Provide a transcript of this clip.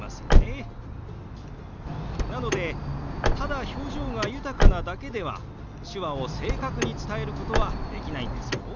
なのでただ表情が豊かなだけでは手話を正確に伝えることはできないんですよ。